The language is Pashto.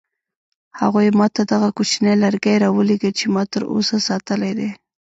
هغوی ما ته دغه کوچنی لرګی راولېږه چې ما تر اوسه ساتلی دی.